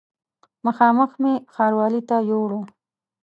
مخامخ مې ښاروالي ته یووړ.